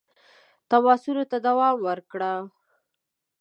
تماسونو ته دوام ورکړ.